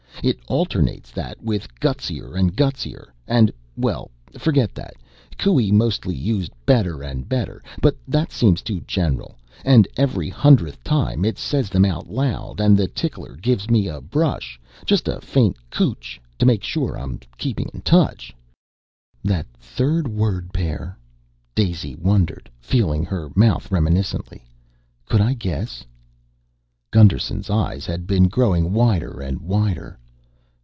It alternates that with 'gutsier and gutsier' and ... well, forget that. Coué mostly used 'better and better' but that seems too general. And every hundredth time it says them out loud and the tickler gives me a brush just a faint cootch to make sure I'm keeping in touch." "That third word pair," Daisy wondered, feeling her mouth reminiscently. "Could I guess?" Gusterson's eyes had been growing wider and wider.